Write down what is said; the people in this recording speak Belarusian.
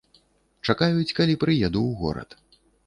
Чакаюць, калі прыеду ў горад.